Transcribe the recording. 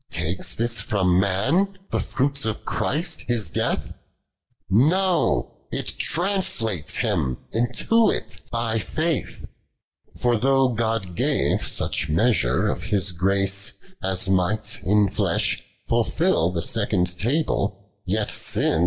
Takes this from man the fruits of Christ His death ? No, it tnmslatcs him into it by faith. 73. For though (iod gave sucli measure of His grace As might in flesh fulfil the second table, » I)a»via.